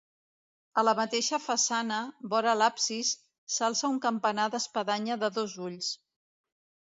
A la mateixa façana, vora l'absis, s'alça un campanar d'espadanya de dos ulls.